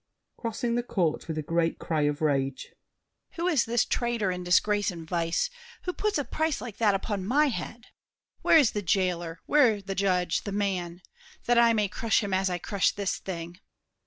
[Crossing the court with a great cry of rage. Who is this trader in disgrace and vice, Who puts a price like that upon my head? Where is the jailer, where the judge, the man?— That I may crush him as I crush this thing.